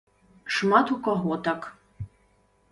Шмат у каго так.